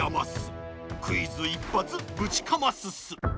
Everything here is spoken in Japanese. クイズいっぱつぶちかますっす！